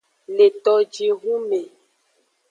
Le tojihun me.